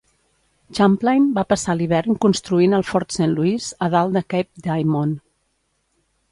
Champlain va passar l'hivern construint el fort Saint-Louis a dalt de Cape Diamond.